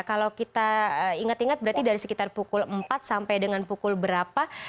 kalau kita ingat ingat berarti dari sekitar pukul empat sampai dengan pukul berapa